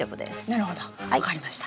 なるほど分かりました。